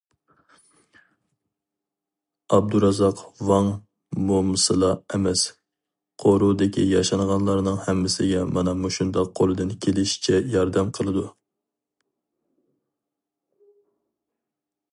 ئابدۇرازاق ۋاڭ مومىسىلا ئەمەس، قورۇدىكى ياشانغانلارنىڭ ھەممىسىگە مانا مۇشۇنداق قولىدىن كېلىشىچە ياردەم قىلىدۇ.